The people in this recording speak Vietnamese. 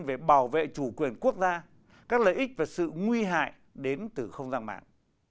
về bảo vệ chủ quyền quốc gia các lợi ích và sự nguy hại đến từ không gian mạng